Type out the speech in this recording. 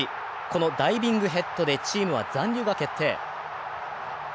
このダイビングヘッドでチームは残留が決定。